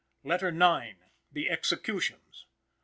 LETTER IX. THE EXECUTIONS.